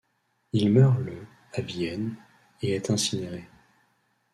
Il meurt le à Vienne et est incinéré.